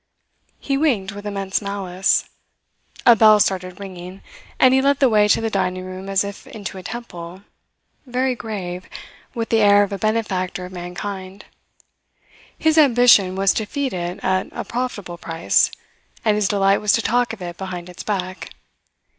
He winked with immense malice. A bell started ringing, and he led the way to the dining room as if into a temple, very grave, with the air of a benefactor of mankind. His ambition was to feed it at a profitable price, and his delight was to talk of it behind its back.